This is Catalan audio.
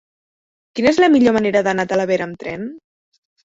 Quina és la millor manera d'anar a Talavera amb tren?